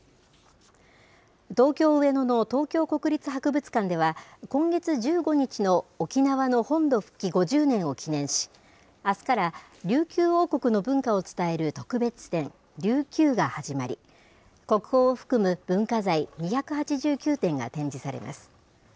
東京・上野の東京国立博物館では、今月１５日の沖縄の本土復帰５０年を記念し、あすから琉球王国の文化を伝える特別展、琉球が始まり、国宝を含む文化財２８９点が展示されます。